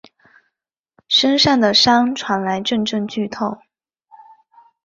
身上的伤传来阵阵剧痛